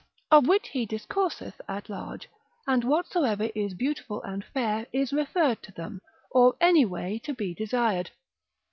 of which he discourseth at large, and whatsoever is beautiful and fair, is referred to them, or any way to be desired.